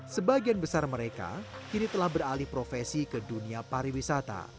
sebagian besar mereka kini telah beralih profesi ke dunia pariwisata